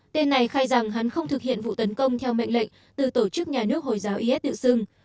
tên này khai rằng hắn không thực hiện vụ tấn công theo mệnh lệnh từ tổ chức nhà nước hồi giáo is tự xưng